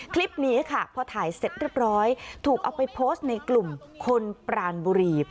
คลิปนี้ค่ะพอถ่ายเสร็จเรียบร้อยถูกเอาไปโพสต์ในกลุ่มคนปรานบุรี